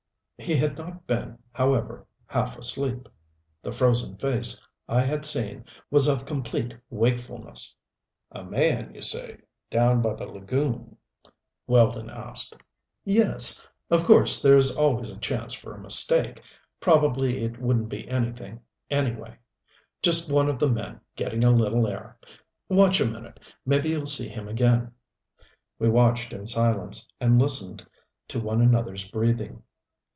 He had not been, however, half asleep. The frozen face I had seen was of complete wakefulness. "A man, you say down by the lagoon?" Weldon asked. "Yes. Of course there's always a chance for a mistake. Probably it wouldn't be anything anyway just one of the men getting a little air. Watch a minute maybe you'll see him again." We watched in silence, and listened to one another's breathing.